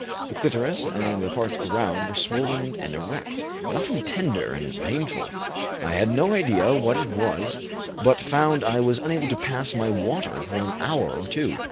The clitoris and the parts around were swollen and erect, and often tender and painful. I had no idea what it was, but found I was unable to pass my water for an hour or two.